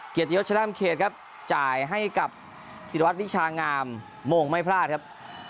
เกียรติยศชนะเขตครับจ่ายให้กับศิรวัตรวิชางามโมงไม่พลาดครับ